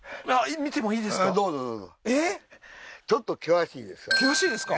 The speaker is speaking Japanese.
きっと険しいですか？